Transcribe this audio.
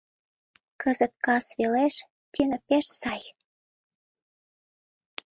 Кызыт, кас велеш, тӱнӧ пеш сай.